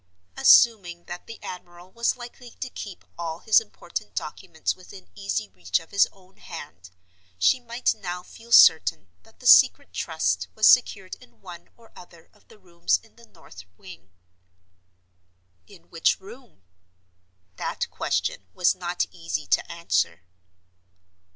Assuming that the admiral was likely to keep all his important documents within easy reach of his own hand, she might now feel certain that the Secret Trust was secured in one or other of the rooms in the north wing. In which room? That question was not easy to answer.